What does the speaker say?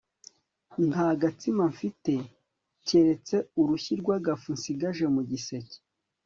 nta gatsima mfite keretse urushyi rwagafu nsigaje mu giseke